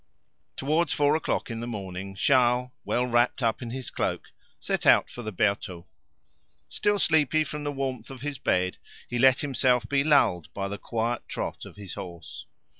Towards four o'clock in the morning, Charles, well wrapped up in his cloak, set out for the Bertaux. Still sleepy from the warmth of his bed, he let himself be lulled by the quiet trot of his horse.